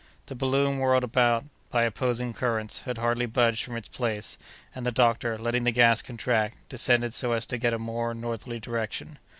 The balloon, whirled about by opposing currents, had hardly budged from its place, and the doctor, letting the gas contract, descended so as to get a more northerly direction.